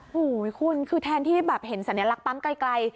โอ้โหคุณคือแทนที่แบบเห็นสัญลักษณ์ปั๊มไกล